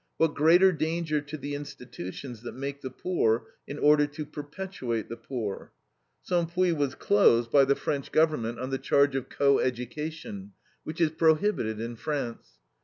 What greater danger to the institutions that make the poor in order to perpetuate the poor. Cempuis was closed by the French government on the charge of co education, which is prohibited in France.